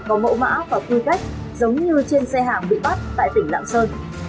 có mẫu mã và quy cách giống như trên xe hàng bị bắt tại tỉnh lạng sơn